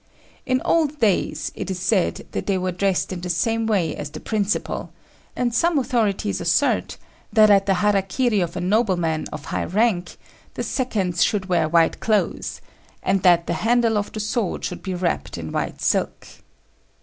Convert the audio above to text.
In old days it is said that they were dressed in the same way as the principal; and some authorities assert that at the hara kiri of a nobleman of high rank the seconds should wear white clothes, and that the handle of the sword should be wrapped in white silk.